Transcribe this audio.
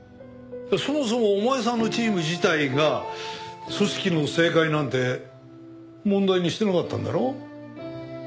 そもそもお前さんのチーム自体が組織の正解なんて問題にしてなかったんだろ？